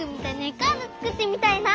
カードつくってみたいな。